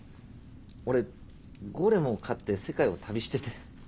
俺ゴーレムを狩って世界を旅してて。